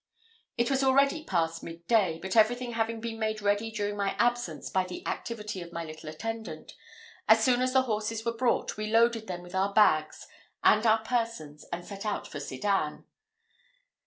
It was already past mid day; but everything having been made ready during my absence by the activity of my little attendant, as soon as the horses were brought, we loaded them with our bags and our persons, and set out for Sedan.